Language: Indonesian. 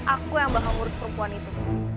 aku yang bakal ngurus perempuan itu